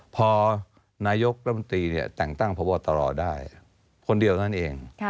พอนายกบริมตรีเนี่ยแต่งตั้งพบตรได้คนเดียวนั้นเอง